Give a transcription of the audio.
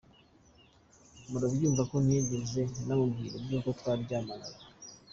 Murabyumva ko ntigeze namubwira iby’uko twaryamanaga.